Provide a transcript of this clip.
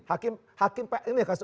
hakim pn ini ya kasih